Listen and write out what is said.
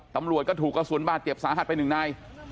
ตำรวจก็ถูกกระสุนบาดเจ็บสาหัสไปหนึ่งนาย